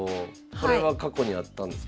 これは過去にあったんですか？